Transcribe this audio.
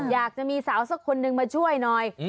อยากจะมีสาวสักคนนึงมาช่วยหน่อย